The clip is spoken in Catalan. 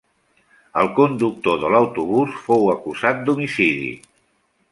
El conductor de l'autobús fou acusat d'homicidi.